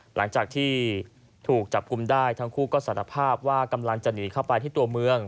หลังจากที่ถูกจับกลุ่มได้ทั้งคู่ก็สารภาพว่ากำลังจะหนีเข้าไปที่ตัวเมือง